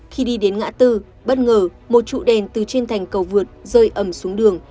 khi đi đến ngã tư bất ngờ một trụ đèn từ trên thành cầu vượt rơi ẩm xuống đường